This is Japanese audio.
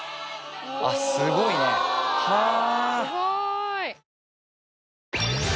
あっすごいねはぁ！